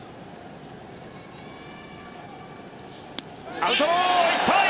アウトローいっぱい！